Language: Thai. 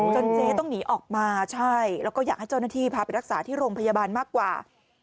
เจ๊ต้องหนีออกมาใช่แล้วก็อยากให้เจ้าหน้าที่พาไปรักษาที่โรงพยาบาลมากกว่า